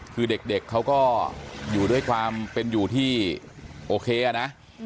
คือเด็กเขาก็อยู่ด้วยความเป็นอยู่ที่โอเคนะ